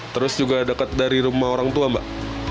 terus juga dekat dari rumah orang tua mbak